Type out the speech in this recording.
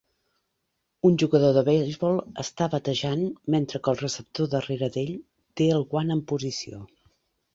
Un jugador de beisbol està batejant, mentre que el receptor darrere ell té el guant en posició.